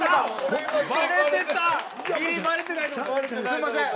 すいません。